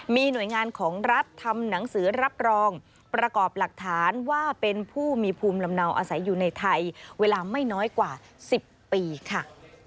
มีหน่วยงานของรัฐทำหนังสือรับรองประกอบหลักฐานว่าเป็นผู้มีภูมิลำเนาอาศัยอยู่ในไทยเวลาไม่น้อยกว่า๑๐ปีค่ะ